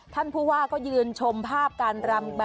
ท่านผู้ว่าก็ยืนชมภาพการรำ